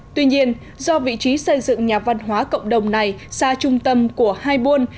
tuy nhiên do vị trí xây dựng nhà văn hóa cộng đồng này xa trung tâm của hai buôn